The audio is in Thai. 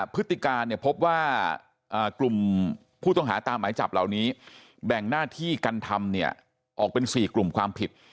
พฤติการเนี่ยพบว่ากลุ่มผู้ต้องหาตามหมายจับเหล่านี้แบ่งหน้าที่กันทำเนี่ยออกเป็น๔กลุ่มความผิด